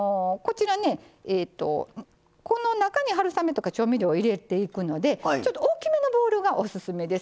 この中に春雨とか調味料を入れていくのでちょっと大きめのボウルがオススメです。